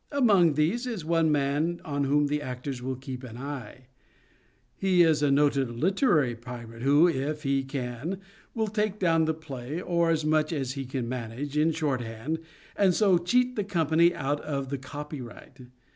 Among these is one man on whom the actors will keep an eye ; he is a noted literary pirate who, if he can, will take down the play, or as much as he can manage, in shorthand, and so cheat the company out of the copyright.